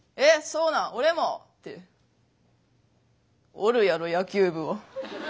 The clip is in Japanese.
おるやろ野球部は。